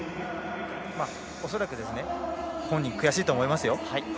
恐らく、本人悔しいと思いますよ。